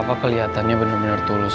papa kelihatannya bener bener tulus